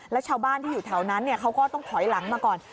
แล้วชาวบ้านที่อยู่แถวนั้นเขาก็ต้องถอยหลังมาก่อน